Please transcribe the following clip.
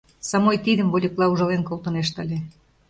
Самой тидым вольыкла ужален колтынешт ыле.